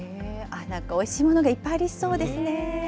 なんかおいしいものがいっぱいありそうですね。